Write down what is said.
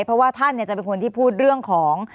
เพราะว่าท่านจะเป็นคนที่พูดเรื่องของ